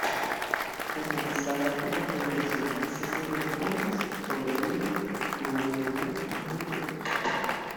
Organizada por la Federación Francesa de Deportes sobre Hielo, tuvo lugar en Burdeos.